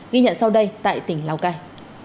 ghi nhận sau đây tại tỉnh lào cai